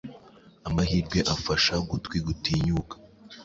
Amahirwe afasha gutwi gutinyuka